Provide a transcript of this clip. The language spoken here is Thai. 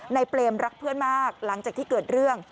เปรมรักเพื่อนมากหลังจากที่เกิดเรื่อง